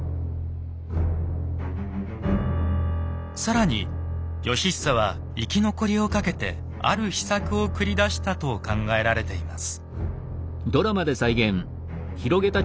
更に義久は生き残りをかけてある秘策を繰り出したと考えられています。